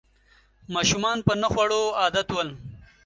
ماشومان په نه خوړو عادت ول